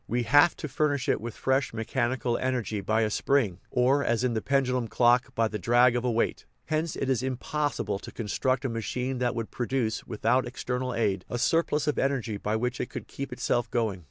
We have to furnish it with fresh mechanical energy by a spring (or, as in the pendulum clock, by the drag of a weight). Hence it is impossi ble to construct a machine that would produce, with out external aid, a surplus of energy by which it could keep itself going.